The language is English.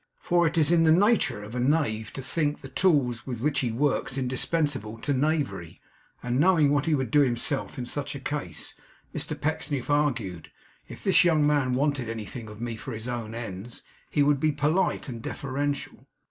For it is in the nature of a knave to think the tools with which he works indispensable to knavery; and knowing what he would do himself in such a case, Mr Pecksniff argued, 'if this young man wanted anything of me for his own ends, he would be polite and deferential.